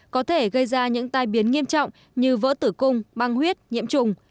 có thể gây ra những tai biến nghiêm trọng như vỡ tử cung băng huyết nhiễm trùng